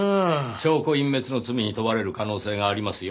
証拠隠滅の罪に問われる可能性がありますよ。